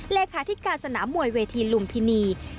เลขาธิการสนามมวยเวทีลุมพินี